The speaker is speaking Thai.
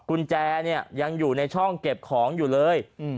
กุญแจเนี่ยยังอยู่ในช่องเก็บของอยู่เลย